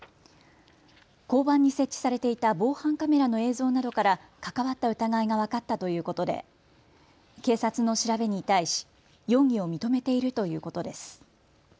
交番に設置されていた防犯カメラの映像などから関わった疑いが分かったということで警察の調べにに対し容疑を認めているということです。